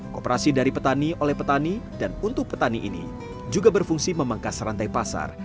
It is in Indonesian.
kooperasi dari petani oleh petani dan untuk petani ini juga berfungsi memangkas rantai pasar